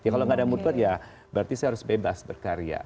kalau nggak ada mood court ya berarti saya harus bebas berkarya